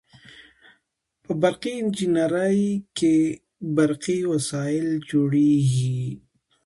په برقي انجنیری کې برقي وسایل جوړیږي.